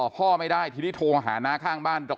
พ่อไม่ได้ทีนี้โทรหาน้าข้างบ้าน